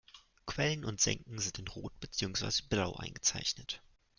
Quellen und Senken sind in Rot beziehungsweise Blau eingezeichnet.